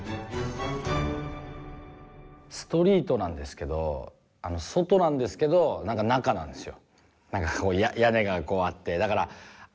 ストリートなんですけど外なんですけどなんか中なんですよ。